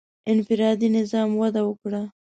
• انفرادي نظام وده وکړه.